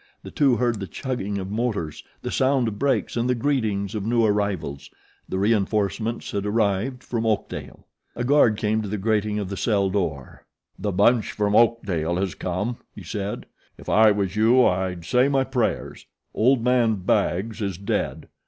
The two heard the chugging of motors, the sound of brakes and the greetings of new arrivals. The reinforcements had arrived from Oakdale. A guard came to the grating of the cell door. "The bunch from Oakdale has come," he said. "If I was you I'd say my prayers. Old man Baggs is dead.